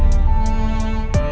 kau menyala aku suaraku